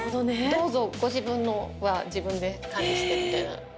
どうぞご自分のは自分で管理してみたいな。